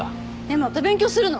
また勉強するの？